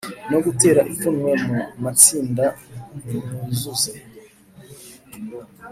no gutera ipfunwe Mu matsinda nimwuzuze